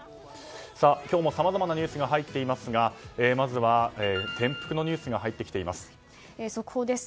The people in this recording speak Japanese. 今日もさまざまなニュースが入っていますがまずは転覆のニュースが速報です。